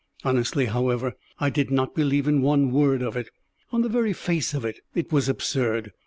Honestly, however, I did not believe in one word of it. On the very face of it, it was absurd.